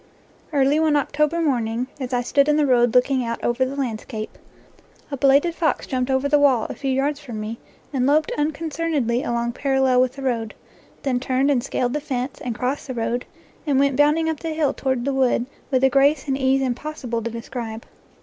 Early one October morning, as I stood in the road looking out over the landscape, a belated fox jumped over the wall a few yards from me and loped unconcernedly along parallel with the road, then turned and scaled the fence, and crossed the road, and went bounding up the hill toward the woods with a grace and ease im possible to describe.